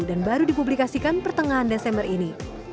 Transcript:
dan baru dipublikasikan pertengahan desember ini